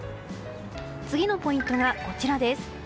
次のポイントがこちらです。